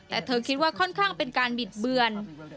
แต่เธอคิดว่าค่อนข้างเป็นการบิดเบือน